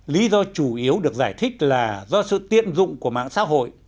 lý do chủ yếu được giải thích là do sự tiện dụng của mạng xã hội